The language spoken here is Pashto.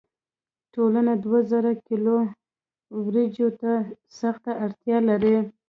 ټولنه دوه زره کیلو وریجو ته سخته اړتیا لري.